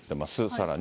さらに。